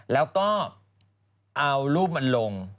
แล้วก็เอารูปมันลง